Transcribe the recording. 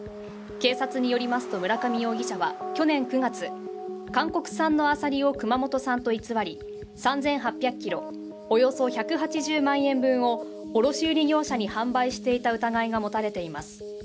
警察によりますと、村上容疑者は去年９月、韓国産のあさりを熊本産と偽り３８００ｋｇ、およそ１８０万円分を卸売業者に販売していた疑いが持たれています。